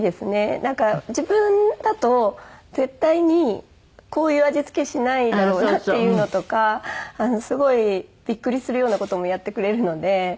なんか自分だと絶対にこういう味付けしないだろうなっていうのとかすごいびっくりするような事もやってくれるので。